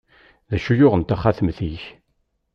D acu i yuɣen taxatemt-ik?